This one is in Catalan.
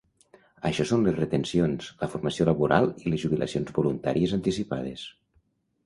Això són les retencions, la formació laboral i les jubilacions voluntàries anticipades.